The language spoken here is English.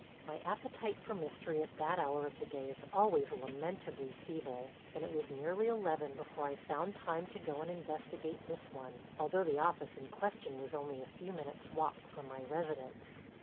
My appetite for mystery at that hour of the day is always lamentably feeble, and it was nearly eleven before I found time to go and investigate this one, although the office in question was only a few minutes' walk from my residence.